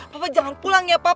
bapak jangan pulang ya pak